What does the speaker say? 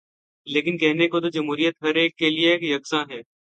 لیکن کہنے کو تو جمہوریت ہر ایک کیلئے یکساں ہے۔